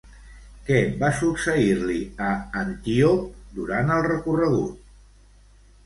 Què va succeir-li a Antíope durant el recorregut?